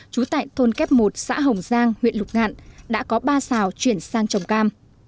trú tại thôn kép một xã hồng giang huyện lục ngạn đã có ba xào chuyển sang trồng cam